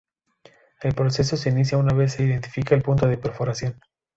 El proceso se inicia una vez se identifica el punto de perforación.